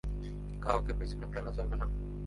কাউকে পিছনে ফেলে যাবে না।